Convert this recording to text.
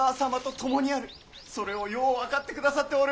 それをよう分かってくださっておる！